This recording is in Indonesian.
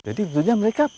jadi sebetulnya mereka boleh